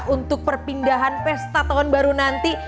untuk perpindahan pesta tahun baru nanti